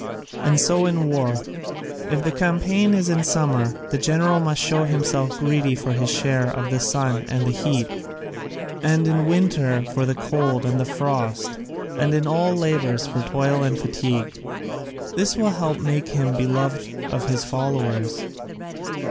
And so in war; if the campaign is in summer the general must show himself greedy for his share of the sun and the heat, and in winter for the cold and the frost, and in all labours for toil and fatigue. This will help to make him beloved of his followers."